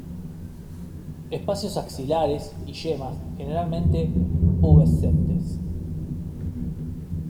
Espacios axilares y yemas generalmente pubescentes.